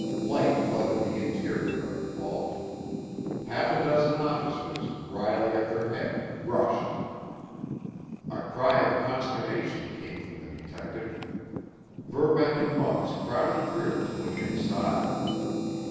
Light flooded the interior of the vault. Half a dozen officers, Riley at their head, rushed. A cry of consternation came from the detective. Verbeck and Muggs crowded through to look inside.